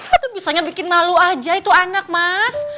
aduh misalnya bikin malu aja itu anak mas